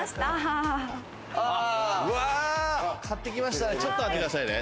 うわ、買ってきましたね！